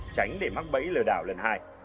tránh để mắc bẫy lừa đảo lần hai